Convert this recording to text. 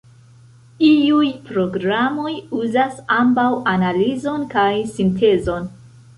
Iuj programoj uzas ambaŭ analizon kaj sintezon.